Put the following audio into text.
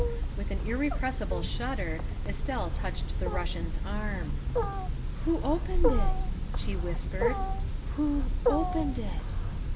With an irrepressible shudder Estelle clutched the Russian's arm. " Who opened it?" she whispered, " who opened it?"